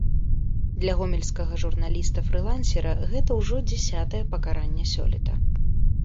Для гомельскага журналіста-фрылансера гэта ўжо дзясятае пакаранне сёлета.